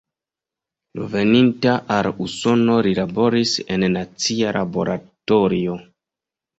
Reveninta al Usono li laboris en nacia laboratorio.